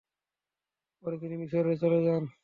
পরে তিনি মিসরে চলে যান।